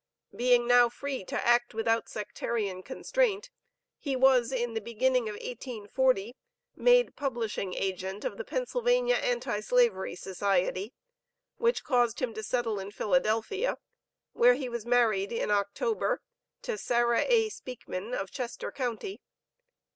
Being now free to act without sectarian constraint, he was, in the beginning of 1840, made Publishing Agent of the Pennsylvania Anti slavery Society, which caused him to settle in Philadelphia, where he was married, in October, to Sarah A. Speakman, of Chester county.